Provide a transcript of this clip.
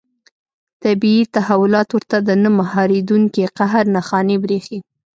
طبیعي تحولات ورته د نه مهارېدونکي قهر نښانې برېښي.